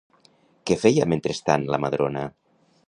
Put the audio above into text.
Què feia, mentrestant, la Madrona?